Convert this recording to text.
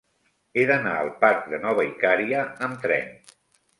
He d'anar al parc de Nova Icària amb tren.